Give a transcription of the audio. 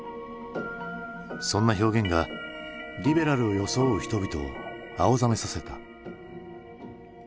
そんな表現がリベラルを装う人々を青ざめさせた。